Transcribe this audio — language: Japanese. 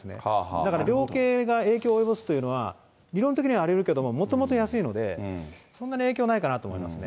だから量刑が影響を及ぼすというのは、理論的にはありうるけど、もともと安いので、そんなに影響ないかなと思いますね。